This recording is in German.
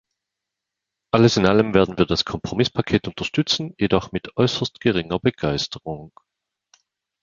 Alles in allem werden wir das Kompromisspaket unterstützen, jedoch mit äußerst geringer Begeisterung.